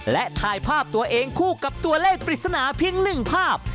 และถ่ายภาพตัวเองคู่กับตัวเลขปริศนาเพียง๑ภาพ